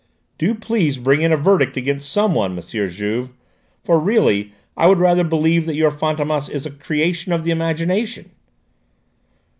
"Do please bring in a verdict against someone, M. Juve, for really I would rather believe that your Fantômas is a creation of the imagination!"